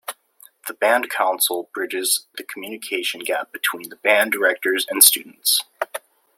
The Band Council bridges the communication gap between the band directors and students.